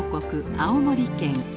青森県。